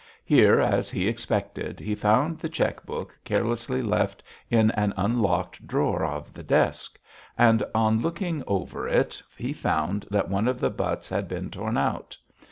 Here, as he expected, he found the cheque book carelessly left in an unlocked drawer of the desk, and on looking over it he found that one of the butts had been torn out.